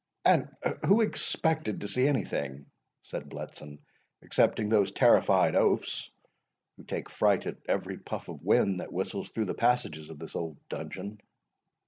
"And who expected to see any thing," said Bletson, "excepting those terrified oafs, who take fright at every puff of wind that whistles through the passages of this old dungeon?"